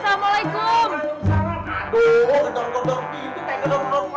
apa lu berantem aja